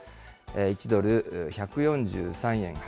１ドル１４３円